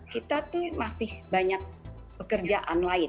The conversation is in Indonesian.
kita tuh masih banyak pekerjaan lain